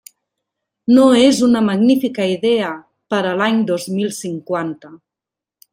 No és una magnífica idea per a l'any dos mil cinquanta.